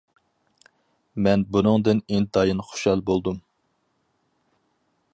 مەن بۇنىڭدىن ئىنتايىن خۇشال بولدۇم.